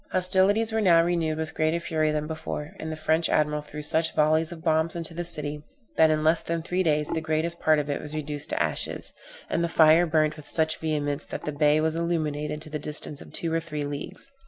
Hostilities were now renewed with greater fury than before, and the French admiral threw such volleys of bombs into the city, that in less than three days the greatest part of it was reduced to ashes; and the fire burnt with such vehemence that the bay was illuminated to the distance of two or three leagues.